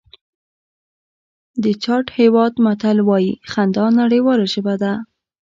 د چاډ هېواد متل وایي خندا نړیواله ژبه ده.